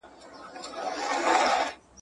د خره محبت يا گوز دئ، يا لغته.